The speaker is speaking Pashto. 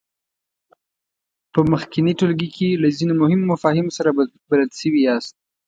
په مخکېني ټولګي کې له ځینو مهمو مفاهیمو سره بلد شوي یاست.